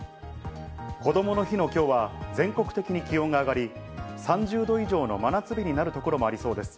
こどもの日の今日は、全国的に気温が上がり、３０度以上の真夏日になるところもありそうです。